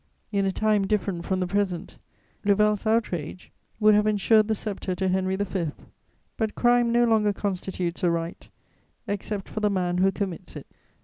In a time different from the present, Louvel's outrage would have ensured the sceptre to Henry V.; but crime no longer constitutes a right, except for the man who commits it.